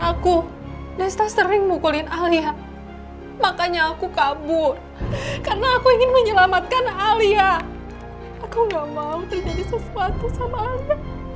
aku gak mau terjadi sesuatu sama anda